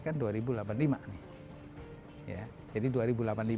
hanya separuh dari manusia yang ada di bumi ini